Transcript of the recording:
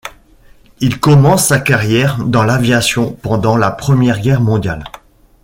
Il commence sa carrière dans l’aviation pendant la Première Guerre mondiale.